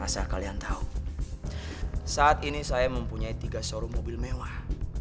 saat kalian tahu saat ini saya mempunyai tiga showroom mobil mewah